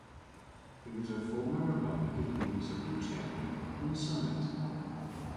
He was a former Republican Municipal Chairman in Summit.